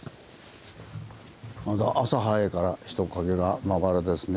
まだ朝早いから人影がまばらですね。